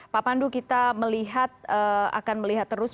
pak pandu kita melihat akan melihat terus